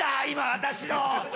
今私の。